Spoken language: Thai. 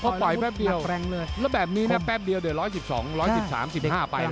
พอปล่อยแป๊บเดียวแล้วแบบนี้แป๊บเดียวเดียวร้อยสิบสองร้อยสิบสามสิบห้าไปแล้ว